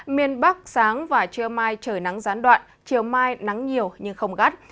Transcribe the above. miền bắc sáng và trưa mai trời nắng gián đoạn chiều mai nắng nhiều nhưng không gắt